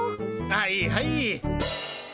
はいはい。